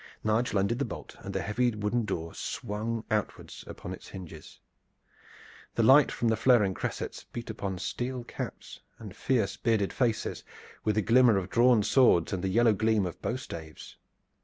Nigel undid the bolt, and the heavy wooden door swung outward upon its hinges. The light from the flaring cressets beat upon steel caps and fierce bearded faces, with the glimmer of drawn swords and the yellow gleam of bowstaves.